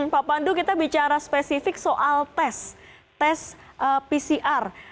pak pandu kita bicara spesifik soal tes tes pcr